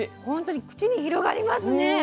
本当に口に広がりますね。